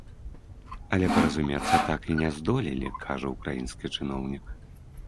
Але паразумецца так і не здолелі, кажа ўкраінскі чыноўнік.